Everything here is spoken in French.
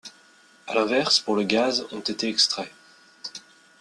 À l'inverse, pour le gaz, ont été extraits.